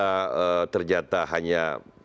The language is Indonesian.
kalau kita ternyata hanya